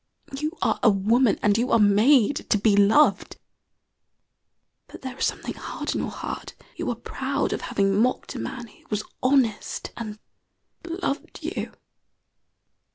You are a woman, and you are made to be loved; but there is something hard in your heart. You are proud of having mocked a man who was honest and loved you.